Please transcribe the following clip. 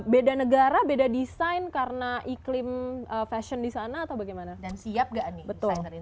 beda negara beda desain karena iklim fashion di sana atau bagaimana